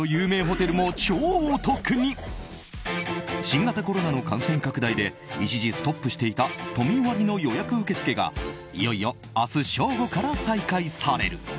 新型コロナの感染拡大で一時ストップしていた都民割の予約受付がいよいよ明日正午から再開される。